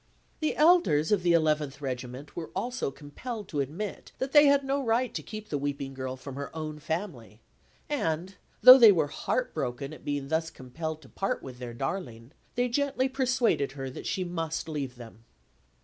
The elders of the Eleventh Regiment were also compelled to admit that they had no right to keep the weeping girl from her own family; and, though they were heart broken at being thus compelled to part with their darling, they gently persuaded her that she must leave them.